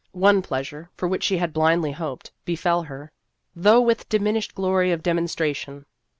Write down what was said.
One pleasure, for which she had blindly hoped, befell her, though with diminished glory of demonstration.